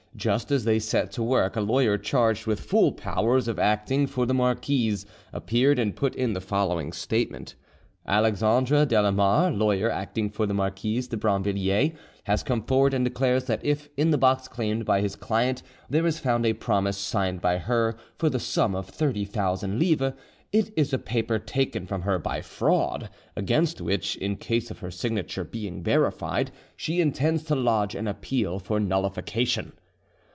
Just as they set to work a lawyer charged with full powers of acting for the marquise, appeared and put in the following statement: "Alexandre Delamarre, lawyer acting for the Marquise de Brinvilliers, has come forward, and declares that if in the box claimed by his client there is found a promise signed by her for the sum of 30,000 livres, it is a paper taken from her by fraud, against which, in case of her signature being verified, she intends to lodge an appeal for nullification."